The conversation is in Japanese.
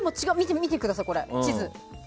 見てください、この地図。